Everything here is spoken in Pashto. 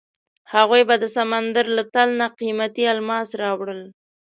هغوی به د سمندر له تل نه قیمتي الماس راوړل.